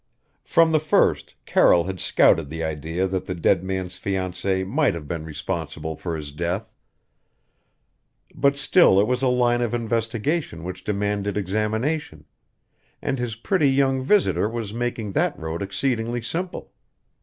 From the first Carroll had scouted the idea that the dead man's fiancee might have been responsible for his death; but still it was a line of investigation which demanded examination, and his pretty young visitor was making that road exceedingly simple.